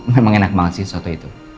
memang enak banget sih soto itu